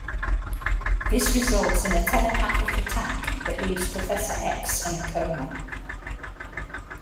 This results in a telepathic attack that leaves Professor X in a coma.